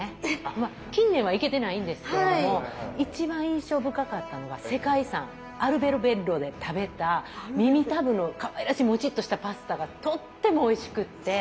まあ近年は行けてないんですけれども一番印象深かったのが世界遺産アルベロベッロで食べた耳たぶのかわいらしいもちっとしたパスタがとってもおいしくって。